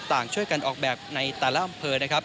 ต่างช่วยกันออกแบบในแต่ละอำเภอนะครับ